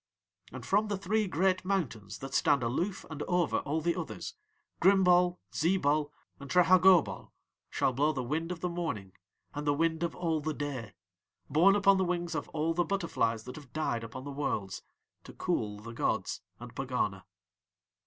"'And from the three great mountains that stand aloof and over all the others Grimbol, Zeebol, and Trehagobol shall blow the wind of the morning and the wind of all the day, borne upon the wings of all the butterflies that have died upon the Worlds, to cool the gods and Pegana.